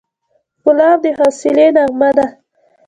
ګلاب د حوصلې نغمه ده.